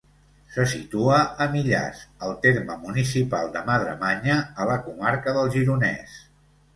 Se situa a Millàs, al terme municipal de Madremanya a la comarca del Gironès.